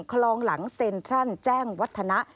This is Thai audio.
คลองหลังเซ็นทรัลแจ้งวัฒนะ